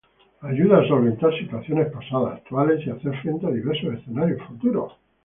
Ayuda a solventar situaciones pasadas, actuales y hacer frente a diversos escenarios futuros.